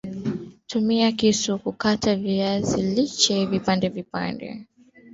Tumia kisu kukata viazi lishe katika vipande vipande